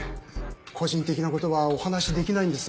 個人的なことはお話しできないんです。